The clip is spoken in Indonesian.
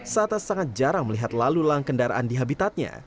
sata sangat jarang melihat lalulang kendaraan di habitatnya